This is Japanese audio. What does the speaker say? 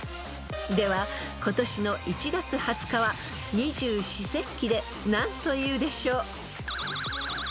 ［では今年の１月２０日は二十四節気で何というでしょう］